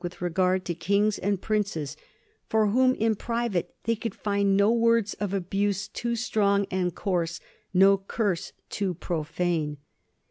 with regard to kings and princes, for whom in private they could find no words of abuse too strong and coarse, no curse too profane.